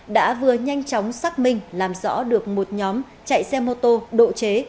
đã vừa nhanh chóng xác minh làm rõ được một nhóm chạy xe mô tô độ chế